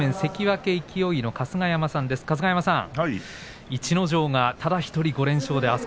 春日山さん、逸ノ城がただ１人５連勝です。